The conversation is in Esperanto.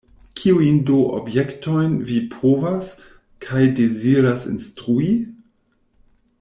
Kiujn do objektojn vi povas kaj deziras instrui?